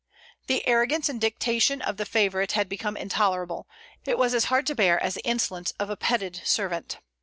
The arrogance and dictation of the favorite had become intolerable; it was as hard to bear as the insolence of a petted servant.